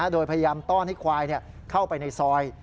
โดยพยายามต้อนให้ควายเข้าไปในซอย